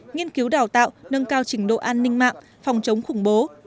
nghiên cứu đào tạo nâng cao trình độ an ninh mạng phòng chống khủng bố